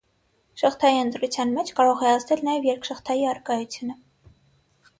Շղթայի ընտրության մեջ կարող է ազդել նաև երկշղթայի առկայությունը։